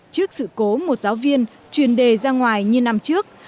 trước sự cố một giáo viên truyền đề ra ngoài như năm trước